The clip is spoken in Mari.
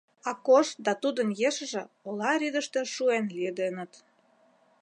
Акош да тудын ешыже ола рӱдыштӧ шуэн лиеденыт.